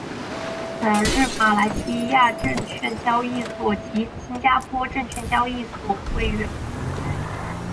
他曾任马来西亚证券交易所及新加坡证券交易所委员会会员。